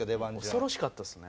恐ろしかったですね。